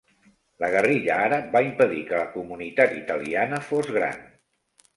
La guerrilla àrab va impedir que la comunitat italiana fos gran.